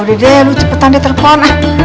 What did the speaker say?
udah deh cepetan deh telepon